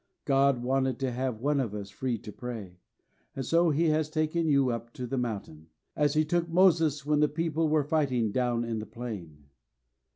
God wanted to have one of us free to pray; and so He has taken you up to the mountain, as He took Moses when the people were fighting down in the plain."